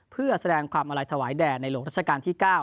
เพื่อแสดงความอาลัยถวายแด่ในหลวงรัชกาลที่๙